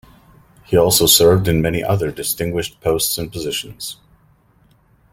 He also served in many other distinguished posts and positions.